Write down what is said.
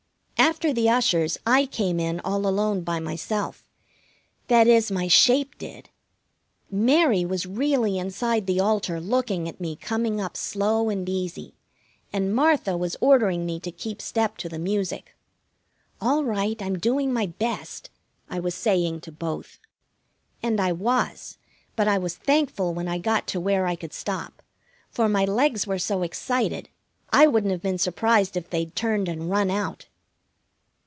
After the ushers, I came in all alone by myself; that is, my shape did. Mary was really inside the altar looking at me coming up slow and easy, and Martha was ordering me to keep step to the music. "All right, I'm doing my best," I was saying to both. And I was, but I was thankful when I got to where I could stop, for my legs were so excited I wouldn't have been surprised if they'd turned and run out.